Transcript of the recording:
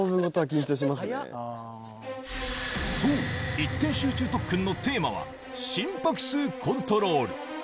そう、一点集中特訓のテーマは、心拍数コントロール。